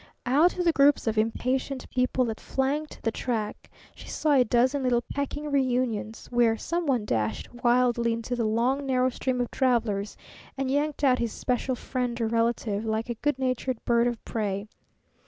Out of the groups of impatient people that flanked the track she saw a dozen little pecking reunions, where some one dashed wildly into the long, narrow stream of travelers and yanked out his special friend or relative, like a good natured bird of prey.